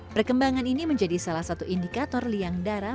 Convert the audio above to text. perkembangan ini menjadi salah satu indikator liang darah